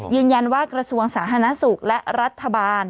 ยืนยันว่ากระทรวงสาธารณสุขและรัฐบาล